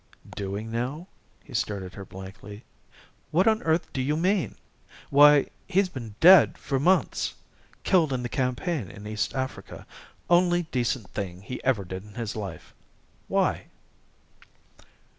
"Doing now?" He stared at her blankly. "What on earth do you mean? Why, he's been dead for months killed in the campaign in East Africa only decent thing he ever did in his life. Why?"